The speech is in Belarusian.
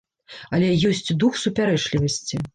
Але ёсць дух супярэчлівасці.